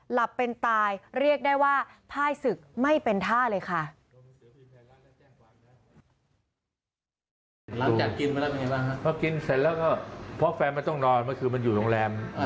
หลับเป็นตายเรียกได้ว่าพ่ายศึกไม่เป็นท่าเลยค่ะ